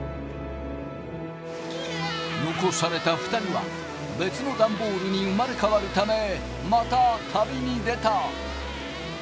残された２人は別のダンボールに生まれ変わるためまた旅に出た。